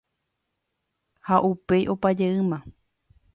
ha upéi opa jeýma